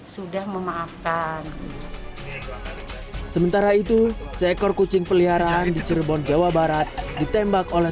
sudah memaafkan sementara itu seekor kucing peliharaan di cirebon jawa barat ditembak oleh